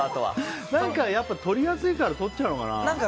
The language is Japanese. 何か撮りやすいから撮っちゃうのかな。